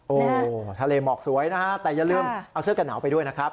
โอ้โหทะเลหมอกสวยนะฮะแต่อย่าลืมเอาเสื้อกันหนาวไปด้วยนะครับ